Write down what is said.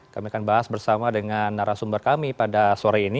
kami akan bahas bersama dengan narasumber kami pada sore ini